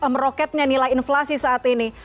meroketnya nilai inflasi saat ini